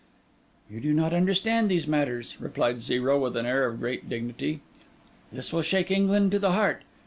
'You do not understand these matters,' replied Zero, with an air of great dignity. 'This will shake England to the heart.